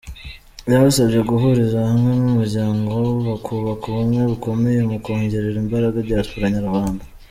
Yabasabye guhuriza hamwe nk’umuryango bakubaka ubumwe bukomeye mu kongerera imbaraga Diaspora nyarwanda.